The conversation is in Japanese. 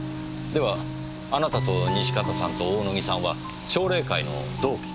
ではあなたと西片さんと大野木さんは奨励会の同期？